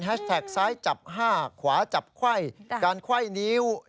แฮชแท็กซ้ายจับห้าขวาจับไข้การไข้นิ้ว